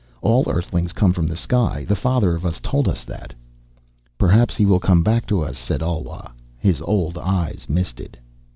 "All Earthlings come from the sky. The Father of Us told us that." "Perhaps he will come back to us," said Alwa. His old eyes misted.